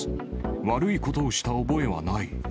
悪いことをした覚えはない。